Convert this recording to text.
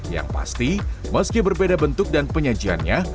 yang pasti meski berbeda bentuk dan penyajiannya